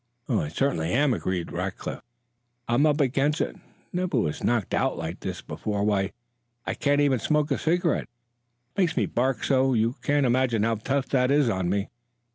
"I certainly am," agreed Rackliff; "I'm up against it. Never was knocked out like this before. Why, I can't even smoke a cigarette, it makes me bark so. You can imagine how tough that is on me.